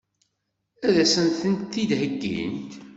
Ad as-tent-id-heggint?